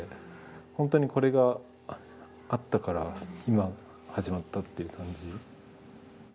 本当にこれがあったから今始まったっていう感じ。